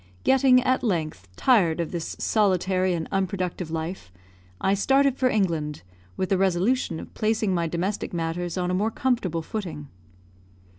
Getting, at length, tired of this solitary and unproductive life, I started for England, with the resolution of placing my domestic matters on a more comfortable footing.